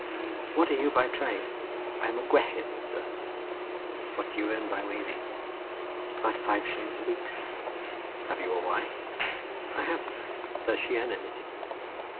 "What are you by trade?" "I am a gwehydd, sir." "What do you earn by weaving?" "About five shillings a week, sir." "Have you a wife?" "I have, sir." "Does she earn anything?"